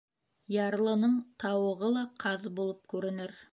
Ярлының тауығы ла ҡаҙ булып күренер.